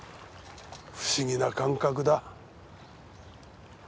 不思議な感覚だ。